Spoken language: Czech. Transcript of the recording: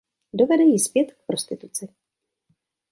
Dovede ji zpět k prostituci.